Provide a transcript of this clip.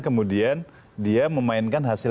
kemudian dia memainkan hasil